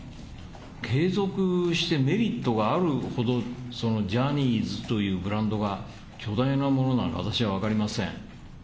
継続してメリットがあるほど、そのジャニーズというブランドが巨大なものなのか私は分かりません。